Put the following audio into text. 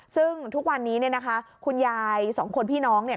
ซึ่งทุกวันนี้เนี่ยนะคะคุณยายสองคนพี่น้องเนี่ย